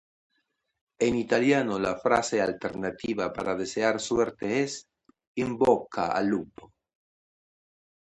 En italiano la frase alternativa para desear suerte es ""in bocca al lupo!